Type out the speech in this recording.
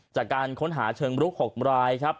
จากการค้นหาเชิงลุก๖รายครับ